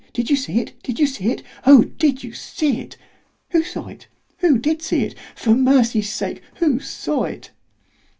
did you see it? did you see it? O! did you see it?——who saw it? who did see it? for mercy's sake, who saw it?